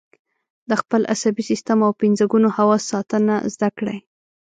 د خپل عصبي سیستم او پنځه ګونو حواسو ساتنه زده کړئ.